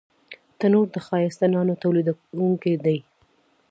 تنور د ښایسته نانو تولیدوونکی دی